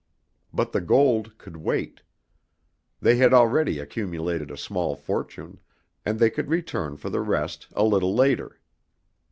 But the gold could wait. They had already accumulated a small fortune, and they could return for the rest a little later.